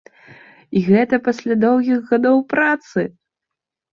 І гэта пасля доўгіх гадоў працы!